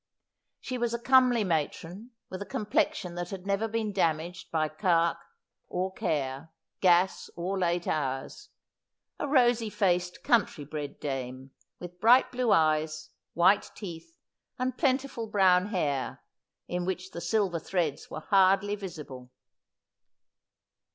She was a comely matron, with a com plexion that had never been damaged by cark or care, gas or late hours : a rosy faced country bred dame, with bright blue eyes, white teeth, and plentiful brown hair, in which the silver threads were hardly visible.